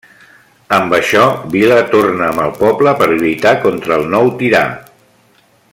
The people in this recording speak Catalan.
Amb això, Vila torna amb el poble per lluitar contra el nou tirà.